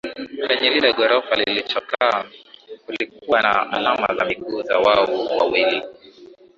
Kwenye lile gorofa lililochakaa kulikuwa na alama za miguu za wawu wawili